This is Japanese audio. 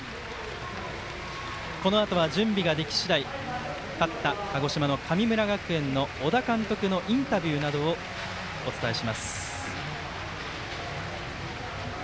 このあとは準備が出来次第勝った鹿児島の神村学園の小田監督のインタビューなどをお伝えします。